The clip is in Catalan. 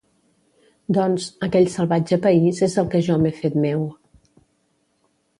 Doncs, aquell salvatge país és el que jo m'he fet meu…